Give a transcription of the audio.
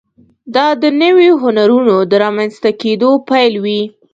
دا د نویو هنرونو د رامنځته کېدو پیل و.